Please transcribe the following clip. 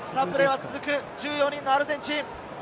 １４人のアルゼンチン。